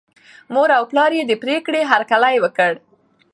مور او پلار یې د پرېکړې هرکلی وکړ.